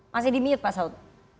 masih di mute pak saud